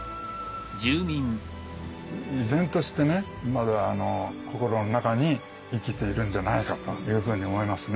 依然としてねまだ心の中に生きているんじゃないかというふうに思いますね。